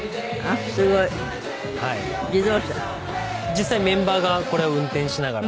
実際メンバーがこれを運転しながら。